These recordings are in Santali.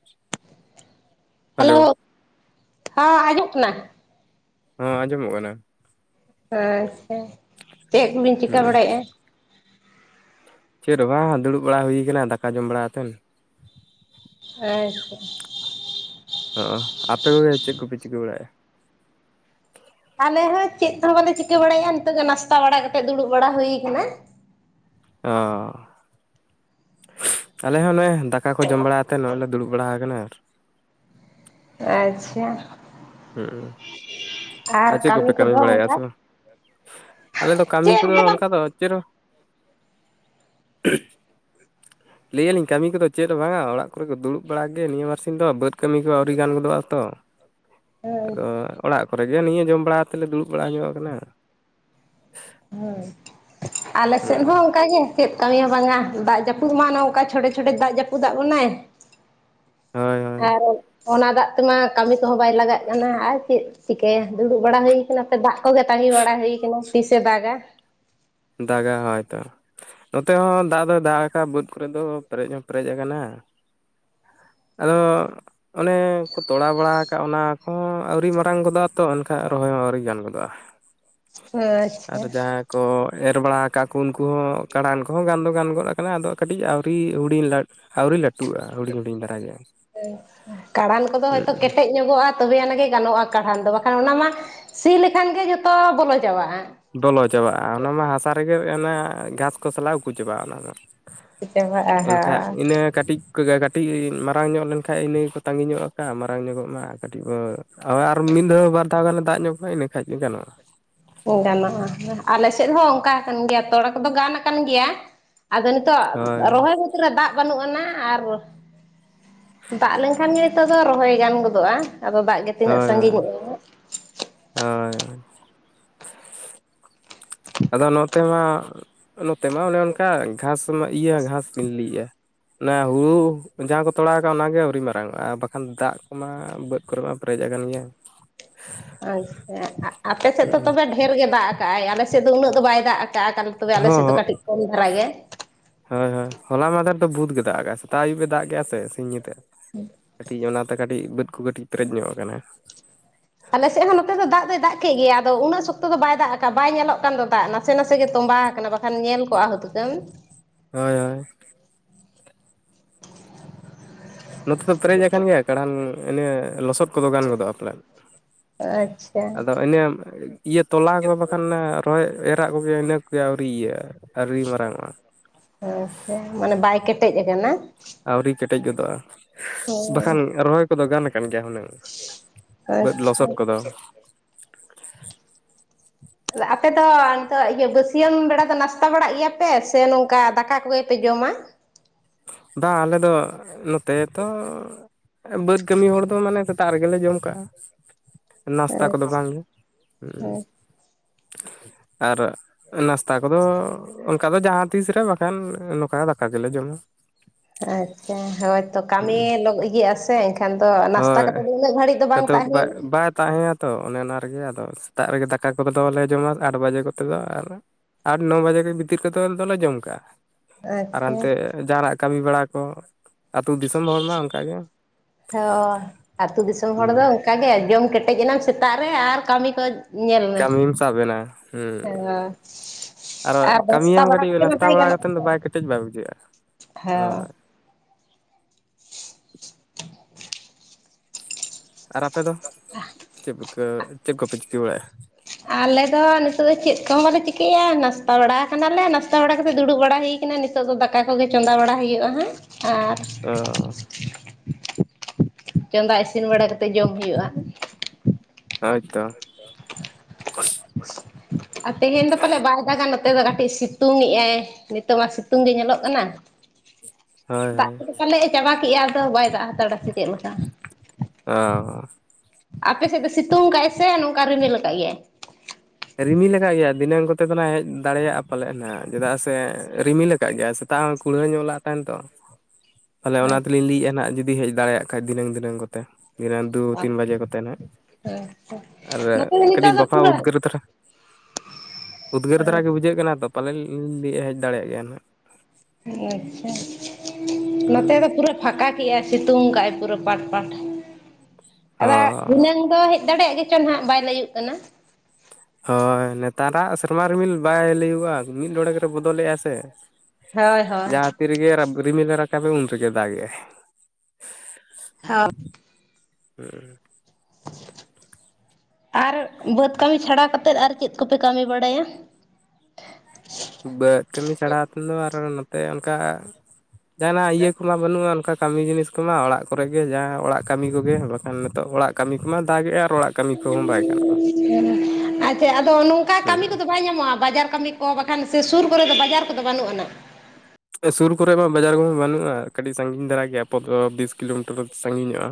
[inaudible] ᱦᱮᱞᱳ, ᱦᱮᱸ ᱟᱡᱚᱜ ᱠᱟᱱᱟ ᱾ ᱦᱚᱸ ᱟᱸᱡᱚᱢᱚᱜ ᱠᱟᱱᱟ ᱾ ᱦᱮ ᱦᱮ ᱪᱮᱫ ᱠᱚᱵᱤᱱ ᱪᱤᱠᱟᱹ ᱦᱩᱸ ᱵᱟᱲᱟᱭᱮᱫᱼᱟ? ᱪᱮᱫ ᱦᱚᱸ ᱵᱟᱝ ᱫᱩᱲᱩᱵ ᱵᱟᱲᱟ ᱦᱩᱭ ᱟᱠᱟᱱᱟ ᱫᱟᱠᱟ ᱡᱚᱢ ᱵᱟᱲᱟᱛᱮᱱ ᱾ ᱦᱮᱸ ᱛᱚ ᱾ ᱚ ᱟᱯᱮ ᱠᱚᱜᱮ ᱪᱮᱫ ᱠᱚᱯᱮ ᱪᱤᱠᱟᱹ ᱵᱟᱲᱟᱮᱭᱟ? ᱟᱞᱮ ᱦᱚᱸ ᱪᱮᱫ ᱛᱮᱦᱚᱸ ᱵᱟᱞᱮ ᱪᱤᱠᱟᱹ ᱵᱟᱲᱟᱮᱭᱟ ᱱᱤᱛᱚᱜ ᱫᱚ ᱱᱟᱥᱛᱟ ᱵᱟᱲᱟ ᱠᱟᱛᱮᱫ ᱫᱩᱲᱩᱵ ᱵᱟᱲᱟ ᱦᱩᱭ ᱟᱠᱟᱱᱟ ᱾ ᱚ ᱟᱞᱮ ᱦᱚᱸ ᱱᱚᱜᱼᱚᱭ ᱫᱟᱠᱟ ᱠᱚ ᱡᱚᱢ ᱵᱟᱲᱟᱛᱮᱱ ᱱᱚᱜᱼᱚᱭ ᱞᱮ ᱫᱩᱲᱩᱵ ᱵᱟᱲᱟ ᱟᱠᱟᱱᱟ, ᱟᱨᱼᱼ ᱟᱪᱪᱷᱟ ᱾ ᱦᱩᱸ ᱟᱨ ᱪᱮᱫ ᱠᱚᱯᱮ ᱠᱟᱹᱢᱤ ᱠᱚᱫᱚ ᱵᱟᱲᱟᱭᱮᱫᱼᱟ ᱚᱱᱠᱟ ᱥᱮ ᱵᱟᱝ? ᱟᱞᱮ ᱫᱚ ᱠᱟᱹᱢᱤ ᱪᱮᱫ ᱦᱚᱸ ᱠᱚᱫᱚ ᱵᱟᱝ ᱚᱱᱠᱟ ᱫᱚ ᱪᱮᱨᱚᱼᱼ [unintelligible] ᱞᱟᱹᱭ ᱟᱹᱞᱤᱧ ᱠᱟᱹᱢᱤ ᱠᱚᱫᱚ ᱪᱮᱫ ᱵᱟᱝᱟ ᱚᱲᱟᱜ ᱠᱚᱨᱮ ᱠᱚ ᱫᱩᱲᱩᱵ ᱵᱟᱲᱟᱜ ᱜᱮ ᱱᱤᱭᱟᱹ ᱵᱟᱨᱥᱤᱧ ᱫᱚ ᱵᱟᱹᱫᱽ ᱠᱟᱹᱢᱤ ᱠᱚ ᱟᱹᱣᱨᱤ ᱜᱟᱱ ᱜᱚᱫᱚᱜᱼᱟ ᱛᱚ ᱾ ᱟᱫᱚ ᱚᱲᱟᱜ ᱠᱚᱨᱮ ᱜᱮ ᱱᱤᱭᱟᱹ ᱡᱚᱢ ᱵᱟᱲᱟ ᱛᱮᱞᱮ ᱫᱩᱲᱩᱵ ᱵᱟᱲᱟ ᱧᱚᱜ ᱠᱟᱱᱟ ᱾ ᱦᱚᱭ, ᱟᱞᱮ ᱥᱮᱱ ᱦᱩᱸ ᱦᱚᱸ ᱚᱱᱠᱟ ᱜᱮ ᱾ ᱪᱮᱫ ᱠᱟᱹᱢᱤ ᱦᱚᱸ ᱵᱟᱝᱟ ᱫᱟᱜ ᱡᱟᱹᱯᱩᱫ ᱢᱟ ᱱᱚᱝᱠᱟ ᱪᱷᱚᱴᱮ ᱪᱷᱚᱴᱮ ᱫᱟᱜ ᱡᱟᱹᱯᱩᱫᱟᱜ ᱵᱚᱱᱟᱭ ᱾ ᱦᱳᱭ ᱦᱳᱭ ᱟᱨ ᱚᱱᱟ ᱫᱟᱜ ᱛᱮᱢᱟ ᱠᱟᱹᱢᱤ ᱠᱚᱦᱚᱸ ᱵᱟᱭ ᱞᱟᱜᱟᱜ ᱠᱟᱱᱟ ᱟᱨ ᱪᱮᱫ ᱪᱤᱠᱟᱹᱭᱟ ᱫᱩᱲᱩᱵ ᱵᱟᱲᱟ ᱦᱩᱭ ᱠᱟᱱᱟ ᱥᱮ ᱫᱟᱜ ᱠᱚᱜᱮ ᱛᱟᱹᱝᱜᱤ ᱵᱟᱲᱟ ᱦᱩᱭ ᱠᱟᱱᱟ ᱛᱤᱥᱮ ᱫᱟᱜᱟ᱾ ᱫᱟᱜᱟ ᱦᱳᱭᱛᱚ᱾ ᱱᱚᱛᱮ ᱦᱚᱸ ᱫᱟᱜ ᱫᱚᱭ ᱫᱟᱜ ᱠᱟᱜᱼᱟ ᱵᱟᱹᱫ ᱠᱚᱨᱮ ᱫᱚ ᱯᱮᱨᱮᱡ ᱦᱚᱸ ᱯᱮᱨᱮᱡ ᱠᱟᱱᱟ, ᱟᱫᱚ ᱚᱱᱮ ᱠᱚ ᱛᱚᱲᱟᱣ ᱵᱟᱲᱟ ᱠᱟᱜᱼᱟ ᱚᱱᱟ ᱠᱚᱦᱚᱸ ᱟᱹᱣᱨᱤ ᱢᱟᱨᱟᱝ ᱜᱚᱫᱚᱜ-ᱟ ᱛᱚ ᱮᱱᱠᱷᱟᱡ ᱨᱚᱦᱚᱭ ᱦᱚᱸ ᱟᱹᱣᱨᱤ ᱜᱟᱱ ᱜᱚᱫᱚᱜ-ᱟ᱾ ᱟᱨ ᱟᱪᱪᱷᱟ ᱡᱟᱦᱟᱸᱭ ᱠᱚ ᱮᱨ ᱵᱟᱲᱟ ᱠᱟᱜᱼᱟ ᱠᱚ ᱩᱱᱠᱩ ᱦᱚᱸ ᱠᱟᱬᱟᱱ ᱠᱚᱦᱚᱸ ᱜᱟᱱ ᱫᱚ ᱜᱟᱱ ᱜᱚᱫ ᱠᱟᱱᱟ ᱟᱫᱚ ᱠᱟᱹᱴᱤᱡ ᱟᱹᱣᱨᱤ ᱦᱩᱰᱤᱧ ᱞᱟ ᱠᱟᱬᱟᱱ ᱠᱚᱫᱚ ᱦᱚᱭᱛᱳ ᱠᱮᱴᱮᱡ ᱧᱚᱜᱚᱜ-ᱟ ᱛᱚᱵᱮ ᱟᱱᱟᱜ ᱜᱮ ᱜᱟᱱᱚᱜ-ᱟ, ᱠᱟᱬᱦᱟᱢ ᱫᱚ ᱵᱟᱠᱷᱟᱱ ᱚᱱᱟ ᱢᱟ ᱥᱤ ᱞᱮᱠᱷᱟᱱ ᱜᱮ ᱡᱚᱛᱚ ᱵᱚᱞᱚ ᱪᱟᱵᱟᱜ-ᱟ᱾ ᱵᱚᱞᱚ ᱪᱟᱵᱟᱜ-ᱟ ᱚᱱᱟᱢᱟ ᱦᱟᱥᱟ ᱨᱮᱜᱮ ᱚᱱᱟ ᱜᱷᱟᱥ ᱠᱚ ᱥᱟᱞᱟᱜ ᱩᱠᱩ ᱪᱟᱵᱟᱜ-ᱟ ᱚᱱᱟ ᱫᱚ᱾ ᱪᱟᱵᱟᱜᱼᱟ ᱮᱱᱠᱷᱟᱡ ᱦᱟᱸ ᱤᱱᱟᱹ ᱠᱟᱹᱴᱤᱡ ᱠᱚᱜᱮ ᱠᱟᱹᱴᱤᱡ ᱢᱟᱨᱟᱝ ᱧᱚᱜ ᱞᱮᱱᱠᱷᱟᱡ ᱤᱱᱟᱹᱜᱮᱠᱚ ᱛᱟᱸᱜᱤ ᱧᱚᱜ ᱠᱟᱜ-ᱟ ᱢᱟᱨᱟᱝ ᱧᱚᱜᱚᱜ ᱢᱟ ᱠᱟᱹᱴᱤᱡ ᱵᱟᱹ ᱦᱳᱭ ᱟᱨ ᱢᱤᱫ ᱫᱷᱟᱣ ᱵᱟᱨ ᱫᱷᱟᱣ ᱜᱟᱱᱮ ᱫᱟᱜ ᱧᱚᱜ ᱠᱷᱟᱡ ᱤᱱᱟᱹᱠᱷᱟᱡ ᱜᱟᱱᱚᱜ-ᱟ᱾ ᱦᱮᱸ ᱜᱟᱱᱚᱜ-ᱟ ᱟᱞᱮ ᱥᱮᱫ ᱦᱚᱸ ᱚᱝᱠᱟ ᱠᱟᱱ ᱜᱮᱭᱟ, ᱛᱚᱲᱟ ᱠᱚᱫᱚ ᱜᱟᱱ ᱠᱟᱱ ᱜᱮᱭᱟ, ᱟᱫᱚ ᱱᱤᱛᱚᱜ ᱦᱳᱭ ᱨᱚᱦᱚᱭ ᱠᱷᱮᱛ ᱨᱮ ᱫᱟᱜ ᱵᱟᱹᱱᱩᱜ ᱟᱱᱟ ᱟᱨ ᱫᱟᱜ ᱞᱮᱱᱠᱷᱟᱱ ᱜᱮ ᱱᱤᱛᱚᱜ ᱫᱚ ᱨᱚᱦᱚᱭ ᱜᱟᱱ ᱜᱚᱫᱚᱜ-ᱟ, ᱟᱫᱚ ᱫᱟᱜ ᱜᱮ ᱛᱤᱱᱟᱹᱜ ᱦᱳᱭ ᱦᱳᱭ ᱥᱟᱺᱜᱤᱧᱚᱜᱼᱟ? ᱦᱳᱭ᱾ ᱟᱫᱚ ᱱᱚᱛᱮ ᱢᱟ ᱱᱚᱛᱮ ᱢᱟ ᱚᱱᱮ ᱚᱝᱠᱟ ᱜᱷᱟᱥ ᱢᱟ ᱤᱭᱟᱹ ᱜᱷᱟᱥ ᱠᱤᱱ ᱞᱟᱹᱭᱮᱜᱼᱟ, ᱚᱱᱟ ᱦᱩᱲᱩ ᱡᱟᱦᱟᱸ ᱠᱚ ᱛᱚᱲᱟᱣ ᱠᱟᱜ ᱚᱱᱟᱜᱮ ᱟᱹᱣᱨᱤ ᱢᱟᱨᱟᱝᱚᱜ-ᱟ, ᱵᱟᱠᱷᱟᱱ ᱫᱟᱜ ᱠᱚᱢᱟ ᱵᱟᱹᱫ ᱠᱚᱨᱮ ᱢᱟ ᱯᱮᱨᱮᱡ ᱠᱟᱱ ᱜᱮᱭᱟ᱾ [inaudible] ᱟᱪᱪᱷᱟ ᱟᱜ ᱟᱯᱮ ᱥᱮᱫ ᱫᱚ ᱦᱚᱸ ᱛᱚᱵᱮ ᱰᱷᱮᱨ ᱜᱮ ᱫᱟᱜ ᱠᱟᱜ-ᱟᱭ ᱟᱞᱮ ᱥᱮᱫ ᱫᱚ ᱩᱱᱟᱹᱜ ᱫᱚ ᱵᱟᱭ ᱫᱟᱜ ᱫᱟᱜ ᱟᱠᱟᱱ ᱛᱚᱵᱮ ᱟᱞᱮ ᱥᱮᱪ ᱫᱚ ᱦᱚᱸ ᱠᱟᱹᱴᱤᱡ ᱠᱚᱢ ᱫᱷᱟᱨᱟ ᱜᱮ, ᱦᱳᱭ ᱦᱳᱭ ᱦᱚᱞᱟ ᱢᱟᱫᱷᱮᱨ ᱫᱚ ᱵᱩᱫ ᱜᱮ ᱫᱟᱜ ᱠᱟᱜᱼᱟᱭ ᱥᱮᱛᱟᱜ ᱟᱹᱭᱩᱵ ᱮ ᱫᱟᱠᱮᱜ-ᱟ ᱥᱮ ᱥᱤᱧᱼᱧᱤᱱᱫᱟᱹ, ᱠᱟᱹᱴᱤᱡ ᱚᱱᱟᱛᱮ ᱠᱟᱹᱴᱤᱡ ᱵᱟᱹᱫ ᱠᱚ ᱠᱟᱹᱴᱤᱡ ᱯᱮᱨᱮᱡ ᱧᱚᱜ ᱠᱟᱱᱟ᱾ ᱟᱞᱮ ᱥᱮᱫ ᱦᱚᱸ ᱱᱚᱛᱮ ᱫᱚ ᱫᱟᱜ ᱫᱚᱭ ᱫᱟᱜ ᱠᱮᱫ ᱜᱮᱭᱟ ᱟᱫᱚ ᱩᱱᱟᱹᱜ ᱥᱚᱠᱛᱚ ᱫᱚ ᱵᱟᱭ ᱫᱟᱜ ᱠᱟᱜ ᱵᱟᱭ ᱧᱮᱞᱚᱜ ᱠᱟᱱ ᱫᱚ ᱫᱟᱜ ᱱᱟᱥᱮ ᱱᱟᱥᱮ ᱜᱮ ᱛᱚᱸᱵᱟ ᱠᱟᱱᱟ, ᱵᱟᱠᱷᱟᱱ ᱧᱮᱞ ᱠᱚᱜᱼᱟ ᱦᱩᱛᱩᱠᱟᱹᱱ ᱦᱳᱭ ᱦᱳᱭ᱾ ᱱᱚᱛᱮ ᱫᱚ ᱯᱮᱨᱮᱡ ᱠᱟᱱ ᱜᱮᱭᱟ ᱠᱟᱲᱦᱟᱱ ᱤᱱᱟᱹ ᱞᱚᱥᱚᱫ ᱠᱚᱫᱚ ᱜᱟᱱ ᱜᱚᱫᱚᱜᱼᱟ ᱯᱮᱨᱟᱭ ᱟᱪᱪᱷᱟ ᱟᱫᱚ ᱤᱱᱟᱹ ᱤᱭᱟᱹ ᱛᱚᱞᱟ ᱠᱚ ᱵᱟᱠᱷᱟᱱ ᱚᱱᱮ ᱦᱚᱭ ᱮᱨᱟᱜ ᱠᱚᱜᱮ ᱤᱱᱟᱹ ᱠᱚᱜᱮ ᱟᱹᱣᱨᱤ ᱤᱭᱟᱹᱜᱼᱟ ᱟᱹᱣᱨᱤ ᱢᱟᱨᱟᱝᱚᱜᱼᱟ᱾ ᱟᱪᱪᱷᱟ ᱢᱟᱱᱮ ᱵᱟᱭ ᱠᱮᱴᱮᱡ ᱠᱟᱱᱟ᱾ ᱟᱹᱣᱨᱤ ᱠᱮᱴᱮᱡ ᱜᱚᱫᱚᱜᱼᱟ ᱵᱟᱠᱷᱟᱱ ᱦᱮᱸ ᱨᱚᱦᱚᱭ ᱠᱚᱫᱚ ᱜᱟᱱ ᱠᱟᱱ ᱜᱮᱭᱟ ᱦᱩᱱᱟᱹᱝ᱾ ᱵᱟᱹᱫ ᱟᱪᱪᱷᱟ ᱞᱚᱥᱚᱫ ᱠᱚᱫᱚ᱾ ᱟᱯᱮ ᱫᱚ ᱱᱤᱛᱚᱜ ᱤᱭᱟᱹ ᱵᱟᱹᱥᱭᱟᱹᱢ ᱵᱮᱲᱟ ᱫᱚ ᱱᱟᱥᱛᱟ ᱵᱟᱲᱟᱜ ᱜᱮᱭᱟᱯᱮ ᱥᱮ ᱱᱚᱝᱠᱟ ᱫᱟᱠᱟ ᱠᱚᱜᱮ ᱯᱮ ᱡᱚᱢᱟ? ᱵᱟᱝ ᱟᱞᱮ ᱫᱚ ᱱᱚᱛᱮ ᱛᱚ ᱵᱟᱹᱫ ᱠᱟᱹᱢᱤ ᱦᱚᱲ ᱫᱚ ᱢᱟᱱᱮ ᱥᱮᱛᱟᱜ ᱨᱮᱜᱮᱞᱮ ᱡᱚᱢ ᱠᱟᱜᱼᱟ ᱱᱟᱥᱛᱟ ᱠᱚᱫᱚ ᱵᱟᱝ ᱜᱮ᱾ ᱟᱪᱪᱷᱟ ᱟᱨ ᱱᱟᱥᱛᱟ ᱠᱚᱫᱚ ᱚᱝᱠᱟ ᱫᱚ ᱡᱟᱦᱟᱸ ᱛᱤᱥ ᱨᱮ ᱵᱟᱠᱷᱟᱱ ᱱᱚᱠᱟ ᱫᱟᱠᱟ ᱜᱮᱞᱮ ᱡᱚᱢᱟ᱾ ᱟᱪᱪᱷᱟ ᱦᱳᱭᱛᱚ ᱠᱟᱹᱢᱤᱭᱮ ᱞᱚ ᱤᱭᱟᱹᱜ ᱟᱥᱮ᱾ ᱮᱱᱠᱷᱟᱱ ᱫᱚ ᱱᱟᱥᱛᱟ ᱦᱳᱭ ᱠᱟᱛᱮᱫ ᱫᱚ ᱩᱱᱟᱹᱜ ᱜᱷᱟᱹᱲᱤᱡ ᱫᱚ ᱵᱟᱝ ᱟᱫᱚ ᱛᱟᱦᱮᱸᱱ ᱦᱩᱭᱩᱜ ᱵᱟᱭ ᱛᱟᱦᱮᱸᱭᱮᱛ ᱛᱚ ᱚᱱᱮ ᱚᱱᱟ ᱨᱮᱜᱮ ᱟᱫᱚ ᱥᱮᱛᱟᱜ ᱨᱮᱜᱮ ᱫᱟᱠᱟ ᱠᱚᱫᱚ ᱫᱚᱞᱮ ᱡᱚᱢᱟ ᱟᱴ ᱵᱟᱡᱮ ᱠᱚᱛᱮ ᱫᱚ ᱟᱨ ᱟᱴ ᱱᱚ ᱵᱟᱡᱮ ᱜᱮ ᱵᱷᱤᱛᱤᱨ ᱛᱮᱫᱚ ᱫᱚᱞᱮ ᱡᱚᱢ ᱠᱟᱜᱼᱟ᱾ ᱟᱨ ᱟᱪᱪᱷᱟ ᱦᱟᱱᱛᱮ ᱡᱟᱦᱟᱱᱟᱜ ᱠᱟᱹᱢᱤ ᱵᱟᱲᱟ ᱠᱚ ᱟᱛᱩ ᱫᱤᱥᱚᱢ ᱦᱚᱲᱢᱟ ᱚᱱᱠᱟ ᱜᱮ᱾ ᱦᱳᱭ ᱟᱹᱛᱩ ᱫᱤᱥᱚᱢ ᱦᱚᱲ ᱦᱩᱸ ᱫᱚ ᱚᱱᱠᱟ ᱜᱮ ᱡᱚᱢ ᱠᱮᱴᱮᱡ ᱮᱱᱟᱢ ᱥᱮᱛᱟᱜ ᱨᱮ ᱟᱨ ᱠᱟᱹᱢᱤ ᱠᱚ ᱧᱮᱞ ᱢᱮ ᱠᱟᱹᱢᱤᱢ ᱥᱟᱵ ᱮᱱᱟ ᱦᱩᱸ ᱟᱨᱚ ᱟᱪ ᱟᱨ ᱱᱟᱥᱛᱟ ᱠᱟᱹᱢᱤᱭᱟᱢ ᱵᱟᱲᱟ ᱠᱟᱹᱴᱤᱡ ᱠᱟᱛᱮ ᱢᱟ ᱱᱟᱥᱛᱟ ᱵᱟᱭ ᱵᱟᱲᱟ ᱜᱟᱱᱚᱜ ᱠᱟᱛᱮᱫ ᱫᱚ ᱵᱟᱭ ᱠᱮᱴᱮᱡ ᱵᱟᱭ ᱵᱩᱡᱷᱟᱹᱜᱼᱟ ᱟ᱾ ᱦᱮᱸ ᱦᱳᱭ ᱟᱨ ᱟᱯᱮ ᱫᱚ ᱪᱮᱫ ᱪᱮᱫ ᱠᱚᱯᱮ ᱪᱤᱠᱟᱹ ᱵᱟᱲᱟᱭᱮᱫ-ᱟ᱾ ᱟᱞᱮ ᱫᱚ ᱱᱤᱛᱚᱜ ᱫᱚ ᱪᱮᱫ ᱠᱚ ᱦᱚᱸ ᱵᱟᱞᱮ ᱪᱤᱠᱟᱹᱭᱟ ᱱᱟᱥᱛᱟ ᱵᱟᱲᱟ ᱠᱟᱱᱟᱞᱮ ᱱᱟᱥᱛᱟ ᱵᱟᱲᱟ ᱠᱟᱛᱮᱫ ᱫᱩᱲᱩᱵ ᱵᱟᱲᱟ ᱦᱩᱭ ᱱᱤᱛᱚᱜ ᱫᱚ ᱫᱟᱠᱟ ᱠᱚᱜᱮ ᱪᱚᱸᱫᱟ ᱵᱟᱲᱟ ᱦᱩᱭᱩᱜᱼᱟ ᱦᱟᱸᱜ ᱟᱨ ᱚ ᱪᱚᱸᱫᱟ ᱤᱥᱤᱱ ᱵᱟᱲᱟ ᱠᱟᱛᱮᱜ ᱡᱚᱢ ᱦᱩᱭᱩᱜᱼᱟ᱾ ᱦᱟᱭ ᱛᱚ᱾ [inaudible] [inaudible] ᱟᱨ ᱛᱮᱦᱮᱧ ᱫᱚ ᱯᱟᱞᱮᱜ ᱵᱟᱭ ᱫᱟᱜᱟ ᱱᱚᱛᱮ ᱫᱚ ᱠᱟᱹᱴᱤᱡ ᱥᱤᱛᱩᱝ ᱮᱸᱟᱭ ᱱᱤᱛᱚᱜ ᱢᱟ ᱥᱤᱛᱩᱝ ᱜᱮ ᱧᱮᱞᱚᱜ ᱠᱟᱱᱟ᱾ [inaudible] ᱫᱟᱜ ᱦᱳᱭ ᱠᱚᱫᱚ ᱯᱟᱞᱮᱜ ᱮ ᱪᱟᱵᱟ ᱠᱮᱫᱮᱜᱼᱟ ᱟᱫᱚ ᱵᱟᱭ ᱫᱟᱜ ᱦᱟᱛᱟᱲ ᱥᱮ ᱪᱮᱫ ᱞᱮᱠᱟ᱾ ᱚ ᱟᱯᱮᱥᱮᱫ ᱫᱚ ᱥᱤᱛᱩᱝ ᱟᱠᱟᱜᱟᱭ ᱥᱮ ᱱᱚᱝᱠᱟ ᱨᱤᱢᱤᱞ ᱟᱠᱟᱫ ᱜᱮᱟᱭ? ᱨᱤᱢᱤᱞ ᱠᱟᱜ ᱜᱮᱭᱟ ᱫᱤᱱᱟᱹᱱ ᱠᱚᱛᱮ ᱫᱚ ᱱᱟᱦᱟᱸ ᱦᱮᱡ ᱫᱟᱲᱮᱭᱟᱜᱼᱟ ᱯᱟᱞᱮᱫ ᱱᱟᱦᱟᱸᱜ ᱪᱮᱫᱟᱜ ᱥᱮ ᱨᱤᱢᱤᱞ ᱟᱠᱟᱫ ᱜᱮᱭᱟᱭ ᱥᱮ᱾ ᱥᱤᱛᱟᱜ ᱦᱚᱸ ᱠᱩᱲᱦᱟᱹ ᱧᱚᱜ ᱞᱟᱜ ᱛᱟᱦᱮᱱ ᱛᱚ ᱛᱟᱦᱞᱮ ᱚᱱᱟ ᱛᱮᱞᱤᱧ ᱞᱟᱹᱭᱮᱫᱼᱟ ᱱᱟᱦᱟᱸᱜ ᱡᱩᱫᱤ ᱦᱮᱡ ᱫᱟᱲᱮᱭᱟᱜ ᱠᱷᱟᱡ ᱫᱷᱤᱱᱟᱹᱝ ᱫᱷᱤᱹᱝ ᱠᱚᱛᱮ᱾ ᱫᱷᱤᱱᱟᱹᱝ ᱫᱩ ᱟᱪᱪᱷᱟ ᱛᱤᱱ ᱵᱟᱡᱮ ᱠᱚᱛᱮ ᱱᱟᱦᱟᱸᱜ ᱟᱪᱪᱷᱟ ᱟᱨ ᱱᱚᱛᱮ ᱫᱚ ᱠᱟᱹᱴᱤᱡ ᱱᱤᱛᱚᱜ ᱫᱚ ᱵᱟᱯᱷᱟ ᱯᱩᱨᱟᱹ ᱩᱫᱽᱜᱟᱹᱨ ᱫᱷᱟᱨᱟ᱾ [inaudible] ᱩᱫᱽᱜᱟᱹᱨ ᱫᱷᱟᱨᱟ ᱜᱮ ᱵᱩᱡᱷᱟᱹᱜ ᱠᱟᱱᱟ ᱛᱚ ᱯᱟᱞᱮᱜᱞᱤᱧ ᱞᱟᱹᱭᱮᱜᱟ ᱦᱮᱡ ᱫᱟᱲᱮᱭᱟᱜ ᱜᱮᱭᱟ ᱱᱟᱦᱟᱸᱜ᱾ ᱟᱪᱪᱷᱟ ᱟᱪᱪᱷᱟ ᱱᱚᱛᱮ ᱦᱩᱸ ᱫᱚ ᱯᱩᱨᱟᱹ ᱯᱷᱟᱠᱟ ᱠᱟᱭ ᱥᱤᱛᱩᱝ ᱠᱟᱜᱼᱟᱭ ᱯᱩᱨᱟᱹ ᱯᱟᱴ ᱯᱟᱴ ᱟᱫᱚ ᱚ ᱫᱷᱤᱱᱟᱹᱝ ᱫᱚ ᱫᱟᱲᱮᱭᱟᱜ ᱜᱮᱪᱚ ᱱᱟᱦᱟᱸᱜ ᱵᱟᱭ ᱞᱟᱹᱭᱜ ᱠᱟᱱᱟ᱾ ᱦᱳᱭ ᱱᱮᱛᱟᱨᱟᱜ ᱥᱮᱨᱢᱟ ᱨᱤᱢᱤᱞ ᱵᱟᱭ ᱞᱟᱹᱭᱜᱼᱟ ᱢᱤᱫ ᱲᱚᱲᱮᱠ ᱨᱮ ᱵᱚᱫᱚᱞᱮᱜᱼᱟ ᱥᱮ᱾ ᱦᱳᱭ ᱦᱳᱭ ᱡᱟᱦᱟᱸ ᱛᱤᱨᱮᱜᱮ ᱨᱤᱢᱤᱞᱮ ᱨᱟᱠᱟᱵᱮᱜᱼᱟ ᱩᱱᱚᱱᱜᱮ ᱫᱟᱜᱮᱜᱼᱟᱭ᱾ ᱦᱸ ᱦᱩᱸ ᱟᱨ ᱵᱟᱹᱫᱽ ᱠᱟᱹᱢᱤ ᱪᱷᱟᱲᱟ ᱠᱟᱛᱮᱫ ᱟᱨ ᱪᱮᱫ ᱠᱚᱯᱮ ᱠᱟᱹᱢᱤ ᱵᱟᱲᱟᱭᱟ? ᱵᱟᱹᱫᱽ ᱠᱟᱹᱢᱤ ᱪᱷᱟᱲᱟ ᱠᱟᱛᱮ ᱢᱟ ᱟᱨᱚ ᱱᱚᱛᱮ ᱚᱱᱠᱟ ᱡᱟᱦᱟᱱᱟᱜ ᱤᱭᱟᱹ ᱠᱚᱢᱟ ᱵᱟᱹᱱᱩᱜᱼᱟ ᱚᱱᱠᱟ ᱠᱟᱹᱢᱤ ᱡᱤᱱᱤᱥ ᱠᱚᱢᱟ᱾ ᱚᱲᱟᱜ ᱠᱚᱨᱮᱜ ᱜᱮ ᱡᱟᱦᱟᱸ ᱚᱲᱟᱜ ᱠᱟᱹᱢᱤ ᱠᱚᱜᱮ ᱵᱟᱠᱷᱟᱱ ᱱᱤᱛᱚᱜ ᱚᱲᱟᱜ ᱠᱟᱹᱢᱤ ᱠᱚᱢᱟ ᱫᱟᱜᱮᱜᱼᱟ ᱟᱨ ᱚᱲᱟᱜ ᱠᱟᱹᱢᱤ ᱠᱚᱦᱚᱸ ᱵᱟᱭ ᱜᱟᱱᱚᱜᱼᱟ ᱟᱪᱪᱷᱟ ᱟᱫᱚ ᱱᱚᱝᱠᱟ ᱠᱟᱹᱢᱤ ᱠᱚᱫᱚ ᱦᱮᱸ ᱵᱟᱭ ᱧᱟᱢᱚᱜᱼᱟ ᱵᱟᱡᱟᱨ ᱠᱟᱹᱢᱤ ᱠᱚ? ᱵᱟᱠᱷᱟᱱ ᱥᱮ ᱥᱩᱨ ᱠᱚᱨᱮ ᱫᱚ ᱵᱟᱡᱟᱨ ᱠᱚᱫᱚ ᱵᱟᱹᱱᱩᱜ ᱟᱱᱟ᱾ ᱥᱩᱨ ᱠᱚᱨᱮ ᱢᱟ ᱵᱟᱡᱟᱨ ᱠᱚᱫᱚ ᱵᱟᱹᱱᱩᱜᱼᱟ ᱠᱟᱹᱴᱤᱡ ᱥᱟᱸᱹᱜᱤᱧ ᱫᱷᱟᱨᱟ ᱜᱮᱭᱟ ᱯᱳ ᱵᱤᱥ ᱠᱤᱞᱳᱢᱤᱴᱟᱨ ᱥᱟᱺᱜᱤᱧᱚᱜᱼᱟ᱾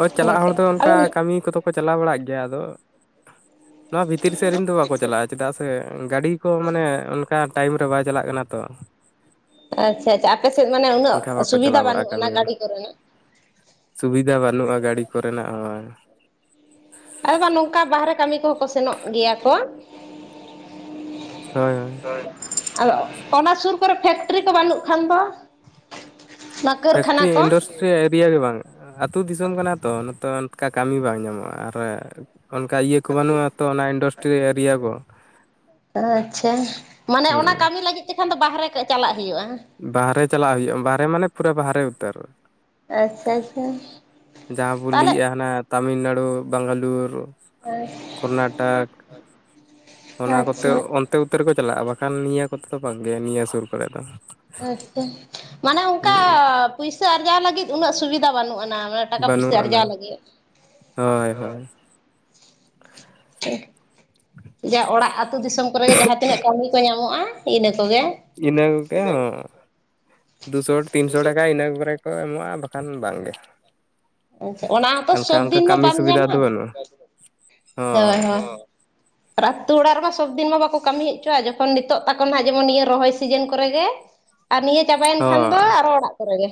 ᱚ ᱦᱮᱸ ᱪᱟᱞᱟᱜ ᱥᱮ ᱦᱚᱲ ᱫᱚ ᱚᱱᱠᱟ ᱟᱫᱚ ᱠᱟᱹᱢᱤ ᱠᱚᱫᱚ ᱠᱚ ᱪᱟᱞᱟᱣ ᱵᱟᱲᱟᱜ ᱜᱮᱭᱟ ᱟᱫᱚ ᱱᱚᱣᱟ ᱵᱷᱤᱛᱤᱨ ᱥᱮᱫ ᱨᱤᱱ ᱫᱚ ᱵᱟᱠᱚ ᱪᱟᱞᱟᱜᱼᱟ ᱪᱮᱫᱟᱜ ᱥᱮ ᱜᱟᱹᱰᱤ ᱠᱚ ᱢᱟᱱᱮ ᱚᱱᱠᱟ ᱴᱟᱭᱤᱢ ᱨᱮ ᱵᱟᱭ ᱪᱟᱞᱟᱜ ᱠᱟᱱᱟ᱾ ᱛᱚ ᱟᱪᱪᱷᱟ ᱟᱪᱪᱷᱟ ᱟᱯᱮᱥᱮᱫ ᱢᱟᱱᱮ ᱩᱱᱟᱹᱜ ᱮᱱᱠᱷᱟᱱ ᱵᱟᱠᱚ ᱥᱩᱵᱤᱫᱷᱟ ᱪᱟᱞᱟᱣ ᱵᱟᱹᱱᱩᱜ ᱵᱟᱲᱟᱜᱼᱟ ᱠᱟᱹᱢᱤ ᱟᱱᱟ ᱨᱮᱫᱚ ᱜᱟᱹᱰᱤ ᱠᱚᱨᱮᱱᱟᱜ᱾ ᱥᱩᱵᱤᱫᱷᱟ ᱵᱟᱹᱱᱩᱜᱼᱟ ᱜᱟᱹᱰᱤ ᱠᱚᱨᱮᱱᱟᱜ ᱦᱳᱭ᱾ ᱟᱨ ᱵᱟᱝ ᱱᱚᱝᱠᱟ ᱵᱟᱦᱨᱮ ᱠᱟᱹᱢᱤ ᱠᱚᱦᱚᱸ ᱠᱚ ᱥᱮᱱᱚᱜ ᱜᱮᱭᱟ ᱠᱚ᱾ ᱦᱳᱭ ᱦᱳᱭ ᱟᱫᱚ ᱚᱱᱟ ᱥᱩᱨ ᱠᱚᱨᱮ ᱯᱷᱮᱠᱴᱨᱤ ᱠᱚ ᱵᱟᱹᱱᱩᱜ ᱠᱷᱟᱱ ᱫᱚ᱾ ᱚᱱᱟ ᱠᱟᱹᱨᱠᱷᱟᱱᱟ ᱯᱷᱮᱠᱴᱨᱤ ᱠᱚ ᱤᱱᱰᱟᱥᱴᱨᱤ ᱮᱨᱤᱭᱟ ᱜᱮ ᱵᱟᱝ ᱟᱹᱛᱩ ᱫᱤᱥᱚᱢ ᱠᱟᱱᱟ ᱛᱚ ᱱᱚᱛᱚ ᱚᱱᱠᱟ ᱠᱟᱹᱢᱤ ᱵᱟᱝ ᱧᱟᱢᱚᱜ-ᱟ ᱟᱨ ᱚᱱᱠᱟ ᱤᱭᱟᱹ ᱠᱚ ᱵᱟᱹᱱᱩᱜ-ᱟ ᱛᱚ ᱚᱱᱟ ᱤᱱᱰᱚᱥᱴᱨᱤ ᱮᱨᱤᱭᱟ ᱠᱚ᱾ ᱟᱪᱪᱷᱟ ᱢᱟᱱᱮ ᱚᱱᱟ ᱦᱩᱸ ᱠᱟᱹᱢᱤ ᱞᱟᱹᱜᱤᱫ ᱛᱮᱠᱷᱟᱱ ᱫᱚ ᱵᱟᱦᱨᱮ ᱪᱟᱞᱟᱜ ᱦᱩᱭᱩᱜ-ᱟ᱾ ᱵᱟᱦᱨᱮ ᱪᱟᱞᱟᱜ ᱦᱩᱭᱩᱜ-ᱟ ᱵᱟᱦᱨᱮ ᱢᱟᱱᱮ ᱯᱩᱨᱟᱹ ᱵᱟᱦᱨᱮ ᱩᱛᱟᱹᱨ᱾ ᱟᱪᱪᱷᱟ ᱟᱪᱪᱷᱟ ᱡᱟᱦᱟᱸ ᱵᱚᱱ ᱛᱟᱦᱚᱞᱮ ᱞᱟᱹᱭᱮᱜ-ᱟ ᱦᱟᱱᱟ ᱛᱟᱢᱤᱞᱱᱟᱹᱲᱩ, ᱵᱟᱝᱜᱟᱞᱩᱨ ᱠᱚᱨᱱᱟᱴᱟᱠ ᱚᱱᱟ ᱠᱚᱛᱮ ᱟᱪᱪᱷᱟ ᱛᱮ ᱩᱛᱟᱹᱨ ᱠᱚ ᱪᱟᱞᱟᱜ-ᱟ ᱵᱟᱠᱷᱟᱱ ᱱᱤᱭᱟᱹ ᱠᱚᱛᱮ ᱫᱚ ᱵᱟᱝ ᱜᱮ ᱱᱤᱭᱟᱹ ᱥᱩᱨ ᱠᱚᱨᱮᱜ ᱫᱚ᱾ ᱟᱪᱪᱷᱟ ᱢᱟᱱᱮ ᱚᱝᱠᱟ ᱦᱩᱸ ᱯᱩᱭᱥᱟᱹ ᱟᱨᱡᱟᱣ ᱞᱟᱹᱜᱤᱫ ᱩᱱᱟᱹᱜ ᱥᱩᱵᱤᱫᱟ ᱵᱟᱹᱱᱩᱜ ᱟᱱᱟ ᱴᱟᱠᱟ ᱯᱩᱭᱥᱟᱹ ᱵᱟᱹᱱᱩᱜ ᱟᱱᱟ ᱟᱨᱡᱟᱣ ᱞᱟᱹᱜᱤᱫ᱾ ᱦᱳᱭ ᱦᱳᱭ ᱡᱟ ᱚᱲᱟᱜ ᱟᱹᱛᱩ ᱫᱤᱥᱚᱢ ᱠᱚᱨᱮᱜᱮ ᱡᱟᱦᱟᱸ ᱛᱤᱱᱟᱹᱜ ᱠᱟᱹᱢᱤ ᱠᱚ ᱧᱟᱢᱚᱜ-ᱟ ᱤᱱᱟᱹ ᱠᱚᱜᱮ᱾ ᱤᱱᱟ ᱠᱚᱸ ᱜᱮ ᱫᱩᱥᱚ ᱛᱤᱱᱥᱚ ᱴᱟᱠᱟ ᱤᱱᱟ ᱠᱚᱨᱮ ᱠᱚ ᱮᱢᱚᱜ-ᱟ ᱵᱟᱠᱷᱟᱱ ᱵᱟᱝᱜᱮ, ᱟᱪᱪᱷᱟ ᱚᱱᱟ ᱦᱚᱸᱛᱚ ᱦᱟᱞᱠᱟ ᱚᱝᱠᱟ ᱥᱚᱵᱫᱤᱱ ᱢᱟ ᱠᱟᱹᱢᱤ ᱵᱟᱢ ᱥᱩᱵᱤᱫᱟ ᱧᱟᱢᱟ ᱫᱚ ᱦᱳᱭ ᱦᱳᱭ ᱵᱟᱹᱱᱩᱜ-ᱟ᱾ᱦᱚᱸ [inaudible] ᱟᱨ ᱟᱹ ᱛᱩ ᱚᱲᱟᱜ ᱨᱮᱢᱟ ᱥᱚᱵᱽᱫᱤᱱ ᱢᱟ ᱵᱟᱠᱚ ᱠᱟᱹᱢᱤ ᱦᱮᱪᱚᱣᱟ ᱡᱚᱠᱷᱚᱱ ᱱᱤᱛᱚᱜ ᱛᱟᱠᱚ ᱱᱦᱟᱜ ᱡᱮᱢᱚᱱ ᱱᱤᱭᱟᱹ ᱨᱚᱦᱚᱭ ᱥᱤᱡᱤᱱ ᱠᱚᱨᱮ ᱜᱮ [inaudible] ᱟᱨ ᱱᱤᱭᱟᱹ ᱪᱟᱵᱟᱭᱮᱱ ᱠᱷᱟᱱ ᱫᱚ ᱦᱳᱭ ᱟᱨᱚ ᱚᱲᱟᱜ ᱠᱚᱨᱮ ᱜᱮ᱾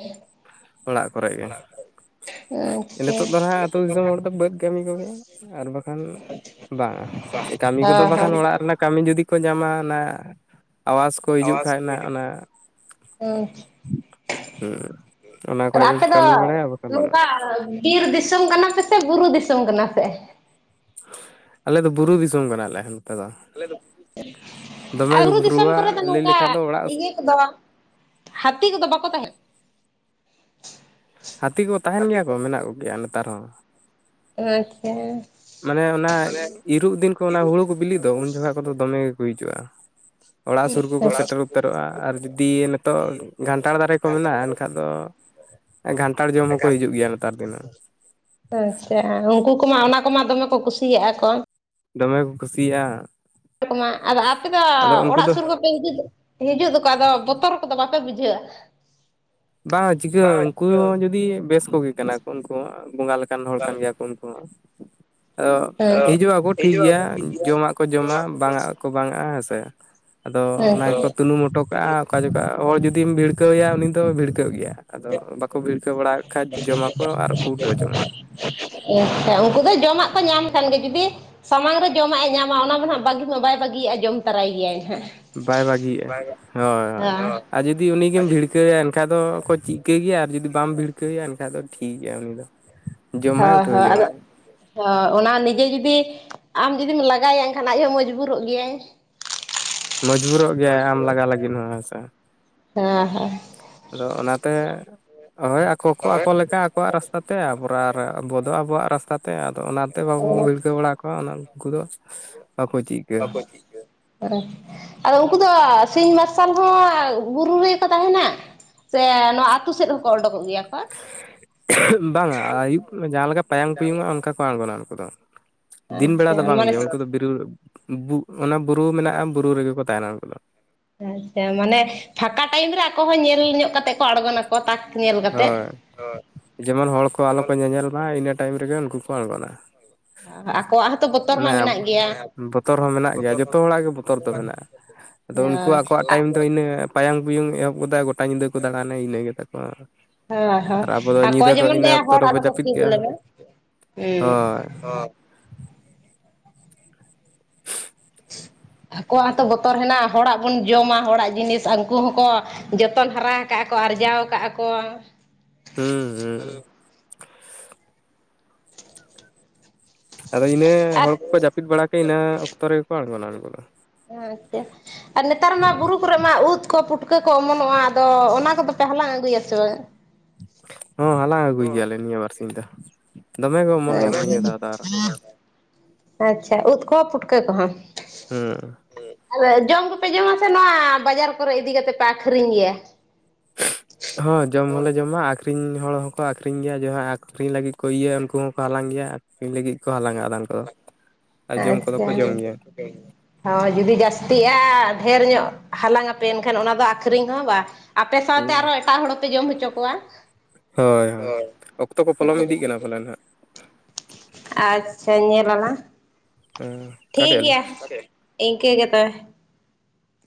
ᱚᱲᱟᱜ ᱠᱚᱨᱮᱜ ᱜᱮ᱾ ᱟᱪᱪᱷᱟ ᱱᱤᱛᱚᱜ ᱫᱚ ᱱᱦᱟᱸᱜ ᱟᱹᱛᱩ ᱫᱤᱥᱚᱢ ᱦᱚᱲ ᱫᱚ ᱵᱟᱹᱫᱽ ᱠᱟᱹᱢᱤ ᱠᱚᱜᱮ ᱟᱨ ᱵᱟᱠᱷᱟᱱ ᱵᱟᱝᱟ ᱠᱟᱹᱢᱤ ᱠᱚᱫᱚ ᱦᱳᱭ ᱵᱟᱠᱷᱟᱱ ᱦᱳᱭ ᱚᱲᱟᱜ ᱨᱮᱱᱟᱜ ᱠᱟᱹᱢᱤ ᱡᱩᱫᱤ ᱠᱚ ᱧᱟᱢᱟ ᱚᱱᱟ ᱟᱵᱟᱥ [inaudible] ᱚᱱᱟ ᱟᱫᱚ ᱠᱚᱨᱮ ᱟᱯᱮ ᱜᱮᱠᱚ ᱫᱚ ᱠᱟᱹᱢᱤ ᱵᱟᱲᱟᱭᱟ ᱵᱟᱠᱷᱟᱱ ᱵᱟᱝ ᱱᱚᱝᱠᱟ ᱵᱤᱨ ᱫᱤᱥᱚᱢ ᱠᱟᱱᱟ ᱯᱮ ᱥᱮ ᱵᱩᱨᱩ ᱫᱤᱥᱚᱢ ᱠᱟᱱᱟ ᱯᱮ? ᱟᱞᱮ ᱫᱚ ᱵᱩᱨᱩ ᱫᱤᱥᱚᱢ ᱠᱟᱱᱟᱞᱮ᱾ ᱛᱮᱫᱚ ᱫᱚᱢᱮ ᱟᱨ ᱜᱮ ᱵᱩᱨᱩ ᱫᱤᱥᱚᱢ ᱵᱩᱨᱩᱣᱟ ᱠᱚᱨᱮ ᱫᱚ ᱞᱟᱹᱭ ᱞᱮᱠᱷᱟᱱ ᱫᱚ ᱚᱲᱟᱜ [inaudible] ᱦᱟᱛᱤ ᱠᱚᱫᱚ ᱵᱟᱠᱚ ᱛᱟᱦᱮᱸ? ᱦᱟᱛᱤ ᱠᱚ ᱛᱟᱦᱮᱱ ᱜᱮᱭᱟ ᱠᱚ ᱢᱮᱱᱟᱜ ᱠᱚᱜᱮᱭᱟ ᱱᱮᱛᱟᱨ ᱦᱚᱸ᱾ ᱟᱪᱪᱷᱟ ᱢᱟᱱᱮ ᱚᱱᱟ ᱤᱨᱚᱜ ᱫᱤᱱ ᱠᱚ ᱚᱱᱟ ᱦᱩᱲᱩ ᱠᱚ ᱵᱤᱞᱤᱜ ᱫᱚ ᱩᱱ ᱡᱚᱠᱷᱟᱡ ᱠᱚᱫᱚ ᱫᱚᱢᱮ ᱜᱮᱠᱚ ᱦᱤᱡᱩᱜ-ᱟ᱾ ᱚᱲᱟᱜ ᱥᱩᱨ ᱠᱚᱠᱚ ᱥᱮᱴᱮᱨ ᱩᱛᱟᱹᱨᱚᱜ-ᱟ ᱟᱨ ᱡᱩᱫᱤ ᱱᱤᱛᱚᱜ ᱜᱷᱟᱱᱴᱟᱲ ᱫᱟᱨᱮ ᱠᱚ ᱢᱮᱱᱟᱜ-ᱟ ᱮᱱᱠᱷᱟᱜ ᱫᱚ ᱜᱷᱟᱱᱴᱟᱲ ᱡᱚᱢ ᱦᱚᱸᱠᱚ ᱦᱤᱡᱩᱜ ᱜᱮᱭᱟ ᱱᱮᱛᱟᱨ ᱫᱤᱱᱟᱹ᱾ ᱟᱪᱪᱷᱟ ᱩᱱᱠᱩ ᱠᱚᱢᱟ ᱚᱱᱟ ᱠᱚᱢᱟ ᱫᱚᱢᱮ ᱠᱚ ᱠᱩᱥᱤᱭᱟᱜ-ᱟ ᱠᱚ᱾ ᱰᱚᱢᱮ ᱠᱚ ᱠᱩᱥᱤᱭᱟᱜ-ᱟ᱾ ᱟᱫᱚ ᱟᱯᱮ ᱫᱚ ᱩᱱᱠᱩ ᱚᱲᱟᱜ ᱫᱚ ᱥᱩᱨ ᱦᱤᱡᱩᱜ ᱫᱚᱠᱚ ᱟᱫᱚ ᱵᱚᱛᱚᱨ ᱠᱚᱫᱚ ᱵᱟᱯᱮ ᱵᱩᱡᱷᱟᱹᱣᱟ? ᱵᱟᱝ ᱪᱤᱠᱟᱹᱜ ᱩᱝᱠᱩ ᱡᱩᱫᱤ ᱵᱮᱥ ᱠᱚᱜᱮ ᱠᱟᱱᱟ ᱠᱚ ᱩᱱᱠᱩ ᱦᱚᱸ ᱵᱚᱸᱜᱟ ᱞᱮ ᱠᱟᱱ ᱦᱚᱲ ᱠᱟᱱ ᱜᱮᱭᱟ ᱠᱚ ᱩᱱᱠᱩ ᱦᱚᱸ᱾ ᱟᱫᱚ ᱦᱮᱸ ᱦᱤᱡᱩᱜ ᱟᱠᱚ ᱴᱷᱤᱠ ᱜᱮᱭᱟ ᱡᱚᱢᱟᱜ ᱠᱚ ᱡᱚᱢᱟ ᱵᱟᱝᱟᱜ ᱠᱚ ᱵᱟᱝᱟᱜ-ᱟ ᱦᱮᱸ ᱥᱮ ᱟᱫᱚ ᱦᱮᱸ ᱚᱱᱟ ᱜᱮᱠᱚ ᱛᱩᱱᱩᱢ ᱦᱚᱴᱚ ᱠᱟᱜ-ᱟ᱾ ᱚᱠᱟ ᱡᱩᱠᱷᱟᱜ ᱦᱚᱲ ᱡᱩᱫᱤᱢ ᱵᱷᱤᱲᱠᱟᱹᱣ ᱮᱭᱟ ᱩᱱᱤ ᱫᱚ ᱠᱟᱹᱜ ᱜᱮᱭᱟ ᱟᱫᱚ ᱵᱟᱠᱚ ᱵᱷᱤᱲᱠᱟᱹᱣ ᱵᱟᱲᱟ ᱠᱷᱟᱡ ᱡᱚᱢᱟᱠᱚ ᱟᱨ ᱠᱚ ᱩᱴᱟᱹᱣ ᱪᱟᱞᱟᱜ-ᱟ᱾ ᱟᱪᱪᱷᱟ ᱩᱱᱠᱩ ᱫᱚ ᱡᱚᱢᱟᱜ ᱠᱚ ᱧᱟᱢ ᱠᱷᱟᱱ ᱜᱮ ᱡᱩᱫᱤ ᱥᱟᱢᱟᱝ ᱨᱮ ᱡᱚᱢᱟᱜ ᱮ ᱧᱟᱢᱟ ᱚᱱᱟ ᱫᱚ ᱱᱦᱟᱸᱜ ᱵᱟᱹᱜᱤ ᱢᱟ ᱵᱟᱭ ᱵᱟᱹᱜᱤᱭᱟᱜ-ᱟ ᱡᱚᱢ ᱛᱟᱨᱟᱭ ᱜᱮᱭᱟᱭ ᱦᱟᱸᱜ᱾ ᱵᱟᱭ ᱵᱟᱹᱜᱤᱭᱟᱜ-ᱟ ᱦᱚᱭ ᱦᱚᱸ ᱟᱨ ᱡᱩᱫᱤ ᱩᱱᱤ ᱜᱮᱢ ᱵᱷᱤᱲᱠᱟᱹᱣᱭᱟ ᱮᱱᱠᱷᱟᱡ ᱫᱚ ᱚᱠᱚᱭ ᱪᱤᱜ ᱛᱮ ᱜᱮᱭᱟ ᱟᱨ ᱡᱩᱫᱤ ᱵᱟᱢ ᱵᱷᱤᱲᱠᱟᱹᱣᱮᱭᱟ ᱮᱱᱠᱷᱟᱡ ᱫᱚ ᱴᱷᱤᱠ ᱜᱮᱭᱟ ᱩᱱᱤ ᱫᱚ᱾ ᱦᱚᱭ ᱡᱚᱢᱟᱭ ᱩᱴᱷᱟᱹᱣ ᱦᱚᱭ ᱟᱫᱚᱼᱼ ᱡᱚᱝᱟᱭ ᱚ ᱚᱱᱟ ᱱᱤᱡᱮ ᱡᱩᱫᱤ ᱟᱢ ᱡᱩᱫᱤᱢ ᱞᱟᱜᱟᱭᱮᱭᱟ ᱮᱱᱠᱷᱟᱱ ᱟᱡᱦᱚᱸ ᱢᱚᱡᱽᱵᱩᱨᱚᱜ ᱜᱮᱭᱟᱭ᱾ ᱢᱚᱡᱽᱵᱩᱨᱚᱜ ᱜᱮᱭᱟᱭ ᱟᱢ ᱞᱟᱜᱟ ᱞᱟᱹᱜᱤᱱ ᱦᱚᱸ ᱦᱮᱸᱥᱮ᱾ ᱦᱮᱸ ᱦᱮᱸ ᱟᱫᱚ ᱚᱱᱟᱛᱮ ᱦᱚᱭ ᱟᱠᱚ ᱠᱚ ᱟᱠᱚ ᱞᱮᱠᱟ ᱟᱠᱚᱣᱟᱜ ᱨᱟᱥᱛᱼᱼ ᱟ ᱛᱮ ᱟᱵᱨᱟ ᱨᱮ ᱟᱵᱚ ᱫᱚ ᱟᱵᱚᱣᱟᱜ ᱨᱟᱥᱛᱟ ᱛᱮ ᱟᱫᱚ ᱚᱱᱟᱛᱮ ᱵᱟᱵᱚ ᱚ ᱵᱷᱤᱲᱠᱟᱹᱣ ᱵᱟᱲᱟ ᱠᱚᱣᱟ ᱚᱱᱟᱼᱼ ᱠᱚᱫᱚᱼᱼ ᱵᱟᱠᱚ ᱪᱤᱠᱟᱹ [unintelligible] ᱟᱫᱚ ᱩᱱᱠᱩ ᱫᱚ ᱥᱤᱧ ᱢᱟᱨᱥᱟᱞ ᱦᱚᱸ ᱵᱩᱨᱩ ᱨᱮᱜᱮᱠᱚ ᱛᱟᱦᱮᱱᱟᱼᱼ ᱥᱮ ᱱᱚᱶᱟ ᱟᱛᱩ ᱥᱮᱫ ᱦᱚᱸᱠᱚ ᱚᱰᱚᱠᱚᱜ ᱜᱮᱭᱟ? ᱠᱚ [unintelligible] ᱵᱟᱝᱟ ᱟᱭᱩᱵ ᱡᱟᱦᱟᱸ ᱞᱮᱠᱟ ᱯᱟᱭᱟᱝ ᱯᱩᱭᱩᱝᱚᱜᱼᱟ ᱚᱱᱠᱟ ᱠᱚ ᱟᱬᱜᱚᱱᱟ ᱩᱱᱠᱩ ᱫᱚ᱾ ᱫᱤᱱ ᱵᱮᱲᱟ ᱟᱪᱪᱷᱟ ᱫᱚ ᱢᱟᱱᱮ ᱵᱟᱝᱜᱮ ᱩᱱᱠᱩ ᱫᱚ ᱵᱤᱨᱩ ᱚᱱᱟ ᱵᱩᱨᱩ ᱢᱮᱱᱟᱜᱼᱟ ᱵᱩᱨᱩ ᱨᱮᱜᱮ ᱠᱚ ᱛᱟᱦᱮᱱᱟ ᱩᱱᱠᱩ ᱫᱚ᱾ ᱟᱪᱷᱟ ᱢᱟᱱᱮ ᱯᱷᱟᱸᱠᱟ ᱴᱟᱭᱤᱢ ᱨᱮ ᱟᱠᱚ ᱦᱚᱸ ᱧᱮᱞ ᱧᱚᱜ ᱠᱟᱛᱮᱜ ᱠᱚ ᱟᱬᱜᱚᱱᱟᱼᱼ ᱠᱚ ᱛᱟᱠ ᱧᱮᱞᱼᱼ ᱦᱚᱭ ᱡᱮᱢᱚᱱ ᱦᱚᱲ ᱠᱚ ᱟᱞᱚ ᱠᱚ ᱧᱮᱧᱮᱞ ᱢᱟ ᱤᱱᱟᱹ ᱴᱟᱭᱤᱢ ᱨᱮᱜᱮ ᱩᱱᱠᱩ ᱠᱚ ᱟᱬᱜᱚᱱᱟ᱾ ᱟᱠᱚᱣᱟᱜ ᱦᱚᱸᱛᱚ ᱵᱚᱛᱚᱨ ᱢᱟ ᱢᱟᱱᱮ ᱢᱮᱱᱟᱜ ᱜᱮᱭᱟ ᱵᱚᱛᱚᱨ ᱦᱚᱸ ᱢᱮᱱᱟᱜ ᱜᱮᱭᱟ ᱡᱚᱛᱚ ᱦᱚᱲᱟᱜ ᱜᱮ ᱵᱚᱛᱚᱨ ᱫᱚ ᱢᱮᱱᱟᱜᱼᱟ᱾ ᱟᱫᱚ ᱩᱱᱠᱩ ᱦᱳᱭ ᱟᱠᱚᱣᱟᱜ ᱴᱟᱭᱤᱢ ᱫᱚ ᱤᱱᱟᱹ ᱯᱟᱭᱟᱝ ᱯᱩᱭᱩᱝ ᱮᱦᱚᱵ ᱜᱚᱫᱟ ᱜᱚᱴᱟ ᱧᱤᱫᱟᱹ ᱠᱚ ᱫᱟᱬᱟᱱᱟ ᱤᱱᱟᱹ ᱜᱮᱛᱟ ᱠᱚᱼᱼ ᱦᱚ ᱦᱚ ᱟᱨ ᱠᱚᱭ ᱡᱮᱢᱚᱱ ᱞᱮᱭᱟ ᱚᱠᱛᱚ ᱦᱚᱲ ᱨᱮᱵᱚ ᱟᱞᱚ ᱠᱚ ᱡᱟᱹᱯᱤᱫ ᱛᱤᱱᱜᱩ ᱠᱮᱜᱼᱟ ᱞᱮᱢᱟ ᱦᱳᱭ [inaudible] ᱦᱚᱸ ᱟᱠᱚᱣᱟᱜ ᱦᱚᱸᱛᱚ ᱵᱚᱛᱚᱨ ᱦᱮᱱᱟᱜᱼᱟ ᱦᱚᱲᱟᱜ ᱵᱚᱱ ᱡᱚᱢᱟ ᱦᱚᱲᱟᱜ ᱡᱤᱱᱤᱥ ᱟᱱᱠᱩ ᱦᱚᱸᱠᱚᱼᱼ ᱡᱚᱛᱚᱱ ᱦᱟᱨᱟ ᱟᱠᱟᱜ ᱟᱠᱚ ᱟᱨᱡᱟᱣ ᱟᱠᱟᱜ ᱟᱠᱚ᱾ [unintelligible] ᱦᱮᱸ ᱟᱫᱚ ᱤᱱᱟᱹ ᱟᱨ ᱦᱚᱲ ᱠᱚᱠᱚ ᱡᱟᱹᱯᱤᱫ ᱵᱟᱲᱟ ᱠᱮᱜ ᱤᱱᱟᱹ ᱚᱠᱛᱚ ᱨᱮᱜᱮ ᱠᱚ ᱟᱲᱜᱚᱱᱟ ᱩᱱᱠᱩᱫᱚ᱾ ᱟᱪᱷᱟ ᱟᱨ ᱱᱮᱛᱟᱨ ᱢᱟ ᱵᱩᱨᱩ ᱠᱚᱨᱮ ᱢᱟ ᱩᱫ ᱠᱚ ᱯᱩᱴᱼᱼ ᱠᱟᱹ ᱠᱚ ᱚᱢᱚᱱᱚᱜᱼᱟ ᱟᱫᱚ ᱚᱱᱟ ᱠᱚᱫᱚ ᱯᱮ ᱦᱟᱞᱟᱝ ᱟᱹᱜᱩᱭᱟ ᱥᱮ ᱵᱟᱝ? ᱦᱚ ᱦᱟᱞᱟᱝ ᱟᱹᱜᱩᱭ ᱜᱮᱭᱟᱞᱮ ᱱᱤᱭᱟᱹ ᱵᱟᱨᱥᱤᱧ ᱫᱚ ᱫᱚᱢᱮ ᱜᱮ ᱚᱢᱚᱱ ᱟᱠᱟᱱᱟ ᱱᱤᱭᱟᱹ ᱫᱷᱟᱣ ᱫᱚ ᱟᱨᱼᱼ ᱟᱪᱷᱟ ᱩᱫ ᱠᱚ ᱯᱩᱴᱠᱟᱹ ᱠᱚᱦᱚᱸ ᱠᱟ. ᱟ ᱟᱨ ᱡᱚᱢ ᱠᱚᱯᱮ ᱡᱚᱢ ᱟ ᱥᱮ ᱵᱟᱝ ᱵᱟᱡᱟᱨ ᱠᱚᱨᱮ ᱤᱫᱤ ᱠᱟᱛᱮ ᱯᱮ ᱟᱠᱷᱨᱤᱧ ᱜᱮᱭᱟ? [unintelligible] ᱦᱚᱸ ᱡᱚᱢ ᱦᱚᱸᱞᱮ ᱡᱚᱢᱟ ᱟᱠᱠᱷᱨᱤᱧ ᱦᱚᱲ ᱦᱚᱸᱠᱚ ᱟᱠᱷᱨᱤᱧ ᱜᱮᱭᱟ ᱡᱟᱦᱟᱸ ᱟᱠᱷᱨᱤᱧ ᱞᱟᱜᱤᱫᱼᱼ ᱠᱚ ᱤᱭᱟᱹᱭᱟ ᱩᱱᱠᱩ ᱦᱚᱸᱠᱚ ᱦᱟᱞᱟᱝ ᱜᱮᱭᱟ ᱟᱠᱷᱨᱤᱧ ᱞᱟᱹᱜᱤᱫ ᱠᱚ ᱦᱟᱞᱟᱝᱟ ᱟᱫᱷᱟᱱ ᱠᱚ ᱟᱨ ᱡᱚᱢ ᱠᱚᱫᱚ ᱠᱚ ᱡᱚᱢ ᱜᱮᱭᱟ᱾ [unintelligible] ᱦᱚ ᱡᱩᱫᱤ ᱡᱟᱹᱥᱛᱤᱜᱼᱟ ᱫᱷᱮᱨ ᱧᱚᱜ ᱦᱟᱞᱟᱝ ᱟᱯᱮ ᱮᱱᱠᱷᱟᱱ ᱚᱱᱟ ᱫᱚ ᱟᱠᱠᱷᱨᱤᱧ ᱦᱚᱸ ᱵᱟᱼᱼ ᱟᱯᱮ ᱥᱟᱶᱛᱮ ᱦᱩᱸ ᱟᱨᱚ ᱮᱴᱟᱜ ᱦᱚᱲ ᱦᱚᱸᱯᱮ ᱡᱚᱢ ᱦᱚᱪᱚ ᱠᱚᱣᱟ᱾ ᱦᱚᱭ ᱦᱚᱭ ᱚᱠᱛᱚ ᱠᱚ ᱯᱚᱞᱚᱢ ᱤᱫᱤᱜ ᱠᱟᱱᱟ ᱯᱟᱞᱮᱱ ᱦᱟᱸᱜ᱾ ᱟᱪᱷᱟ ᱧᱮᱞ ᱟᱞᱟᱝ ᱦᱮᱸ ᱴᱷᱤᱠ ᱠᱟᱴᱮᱜ ᱟᱹᱞᱤᱧ ᱜᱮᱭᱟ᱾ ᱤᱱᱠᱟ. ᱜᱮ ᱛᱚᱵᱮ